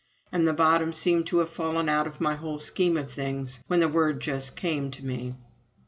And the bottom seemed to have fallen out of my whole scheme of things when the word just came to me."